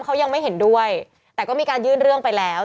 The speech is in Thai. เขายังไม่เห็นด้วยแต่ก็มีการยื่นเรื่องไปแล้ว